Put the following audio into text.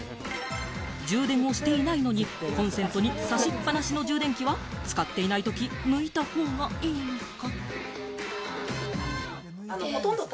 充電をしていないのにコンセントに挿しっ放しの充電器は使っていないとき、抜いたほうがいいのか？